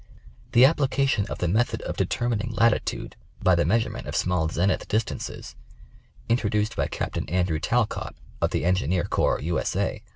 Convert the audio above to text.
The application of the method of determining latitude by the measurement of small zenith distances, introduced by Captain Andrew Talcott of the Engineer Corps, U. S. A.